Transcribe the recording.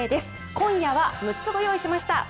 今夜は６つご用意しました。